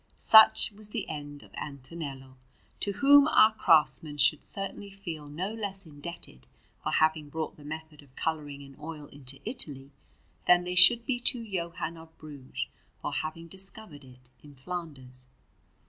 Such was the end of Antonello, to whom our craftsmen should certainly feel no less indebted for having brought the method of colouring in oil into Italy than they should to Johann of Bruges for having discovered it in Flanders.